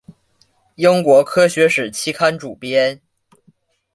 英国科学史期刊主编。